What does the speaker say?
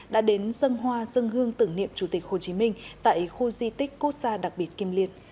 đã đến sân hoa sân hương tưởng niệm chủ tịch hồ chí minh tại khu di tích cô sa đặc biệt kim liệt